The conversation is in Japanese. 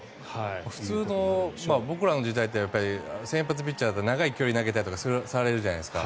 普通の僕らの時代って先発ピッチャーって長い距離を投げたりとかされるじゃないですか。